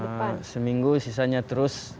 ya cuma seminggu sisanya terus